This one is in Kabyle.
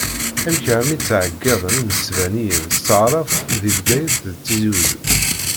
Amek armi ttɛeyyiḍen imesbaniyen s taɛrabt deg Bgayet d Tizi Wezzu?